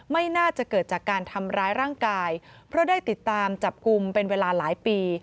ไม่น่าจะเกิดจากการทำร้ายร่างกายเพราะได้ติดตามจับกลุ่มเป็นเวลาหลายปี